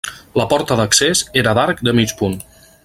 La porta d'accés era d'arc de mig punt.